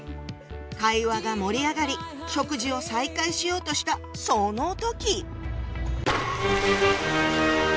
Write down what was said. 会話が盛り上がり食事を再開しようとしたその時！